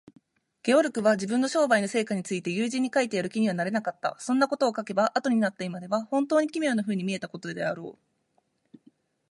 ゲオルクは、自分の商売の成果について友人に書いてやる気にはなれなかった。そんなことを書けば、あとになった今では、ほんとうに奇妙なふうに見えたことであろう。